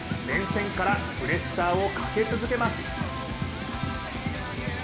前線からプレッシャーをかけ続けます。